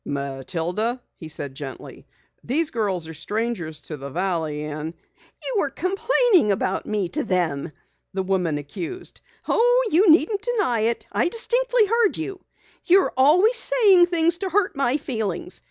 "Matilda," he said gently, "these girls are strangers to the Valley " "You were complaining about me to them!" the woman accused. "Oh, you needn't deny it! I distinctly heard you! You're always saying things to hurt my feelings.